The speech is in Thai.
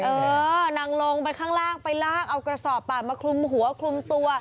เออนางลงไปข้างล่างไปลากเอากระสอบปากมาคลุมหัวคลุมตัว